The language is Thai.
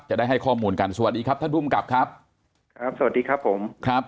จะได้ให้ข้อมูลกันสวัสดีครับท่านภูมิกับครับครับสวัสดีครับผมครับ